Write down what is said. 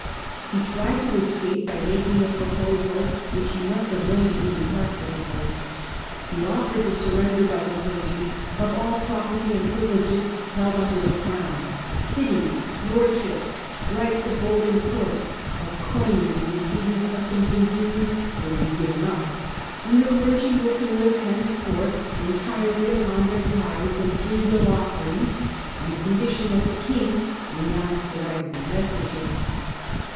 He tried to escape by making a pro posal which he must have known to be impracticable. He offered the surrender by the clergy of all property and privileges held under the crown : cities, lordships, rights of holding courts, of coining, and receiving customs and dues, were to be given up, and the clergy were to live henceforth entirely upon their tithes and free will offerings, on condition that the king renounced the right of investiture.